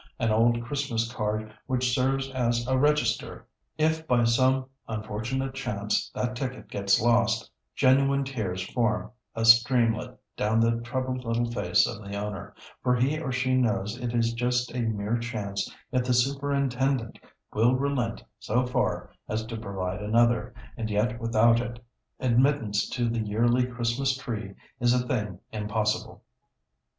an old Christmas card which serves as a register. If by some unfortunate chance that ticket gets lost, genuine tears form a streamlet down the troubled little face of the owner, for he or she knows it is just a mere chance if the superintendent will relent so far as to provide another, and yet without it admittance to the yearly Christmas tree is a thing impossible.